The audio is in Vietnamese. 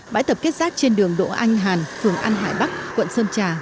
bãi tập kết rác trên đường đỗ anh hàn phường an hải bắc quận sơn trà